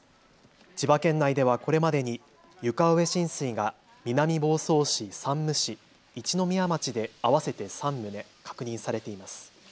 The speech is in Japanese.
千葉県内ではこれまでに床上浸水が南房総市、山武市、一宮町で合わせて３棟確認されています。